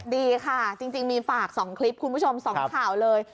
ดีค่ะจริงมีฝาก๒คลิปคุณผู้ชม๒ข่าวเลย